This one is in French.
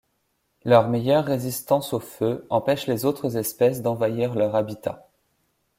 Leur meilleure résistance au feu empêche les autres espèces d'envahir leur habitat.